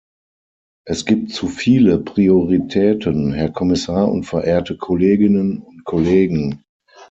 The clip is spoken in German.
Es gibt zu viele Prioritäten, Herr Kommissar und verehrte Kolleginnen und Kollegen.